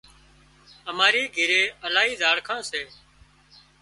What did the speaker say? اماري گھري الاهي زاڙکان سي